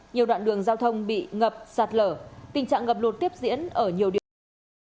nhiều đoạn đường giao thông bị ngập sạt lở tình trạng ngập lụt tiếp diễn ở nhiều địa phương